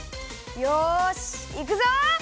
よしいくぞ！